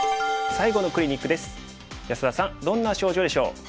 安田さんどんな症状でしょう？